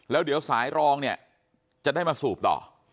แล้วเดี๋ยวสายรองเนี่ยจะได้มาสูบต่อ